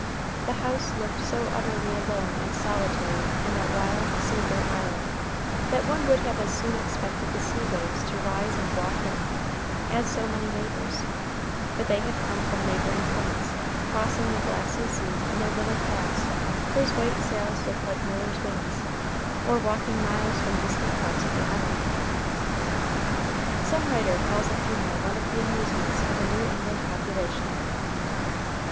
The house looked so utterly alone and solitary in that wild, sea girt island, that one would have as soon expected the sea waves to rise and walk in, as so many neighbors; but they had come from neighboring points, crossing the glassy sea in their little crafts, whose white sails looked like millers' wings, or walking miles from distant parts of the island. Some writer calls a funeral one of the amusements of a New England population.